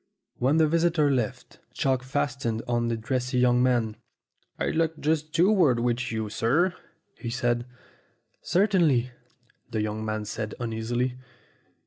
When the visitors left, Chalk fastened on to the dressy young man. "I'd like just two words with you, sir," he said. "Certainly," the young man said uneasily.